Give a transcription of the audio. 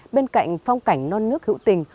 bên cạnh phong cảnh non nước hữu tình